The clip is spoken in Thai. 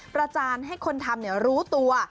จานให้คนทำรู้ตัว